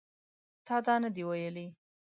تا دا نه دي ویلي